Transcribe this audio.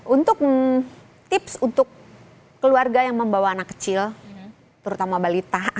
untuk tips untuk keluarga yang membawa anak kecil terutama balita